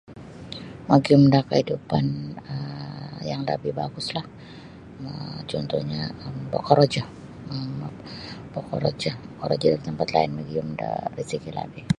Magiyum da kaidupan um yang lebih bagus lah um cuntuhnyo bokorojo um bokorojo bokorojo da tampat lain magiyum da razikilah .